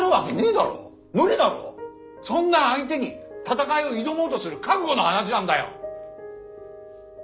そんな相手に戦いを挑もうとする覚悟の話なんだよ！